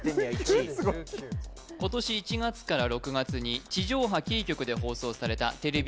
今年１月から６月に地上波キー局で放送されたテレビ